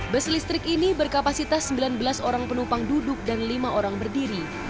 bus listrik ini berkapasitas sembilan belas orang penumpang duduk dan lima orang berdiri